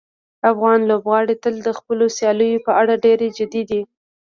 افغان لوبغاړي تل د خپلو سیالیو په اړه ډېر جدي دي.